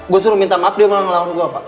gue suruh minta maaf dia malah ngelawan gue pak